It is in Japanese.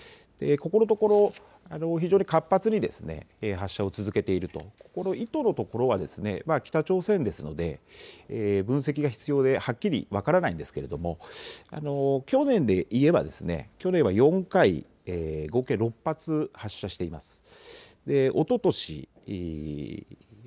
ここのところ非常に活発に発射を続けていると、この意図のところは北朝鮮ですので分析が必要ではっきり分からないんですけれども、去年で言えば、去年は４回、合計６発発射しています。